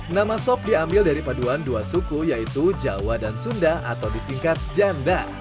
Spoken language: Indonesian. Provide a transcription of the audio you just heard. nama sop diambil dari paduan dua suku yaitu jawa dan sunda atau disingkat janda